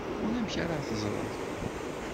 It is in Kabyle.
Ulamek ara teẓred.